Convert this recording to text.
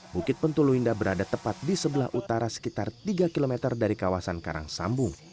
bukit pentulu indah berada tepat di sebelah utara sekitar tiga km dari kawasan karang sambung